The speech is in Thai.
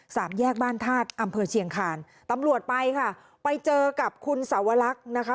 สามแยกบ้านธาตุอำเภอเชียงคานตำรวจไปค่ะไปเจอกับคุณสวรรคนะคะ